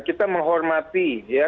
kita menghormati ya